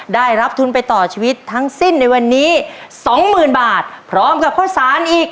ได้รับทุนไปต่อชีวิตทั้งสิ้นในวันนี้สองหมื่นบาทพร้อมกับข้าวสารอีก